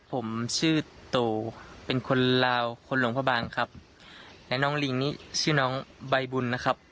ผมชื่อตูเป็นคนลาวคนโรงพยาบาลครับและน้องลิงนี่ชื่อน้องใบบุญนะครับ